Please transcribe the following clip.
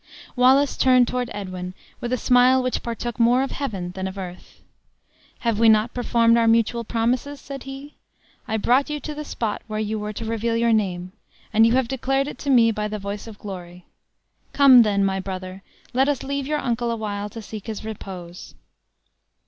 Wallace turned toward Edwin, with a smile which partook more of heaven than of earth. "Have we not performed our mutual promises?" said he; "I brought you to the spot where you were to reveal your name, and you have declared it to me by the voice of glory! Come, then, my brother, let us leave your uncle awhile to seek his repose."